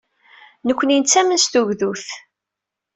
Nekkni nettamen s tugdut.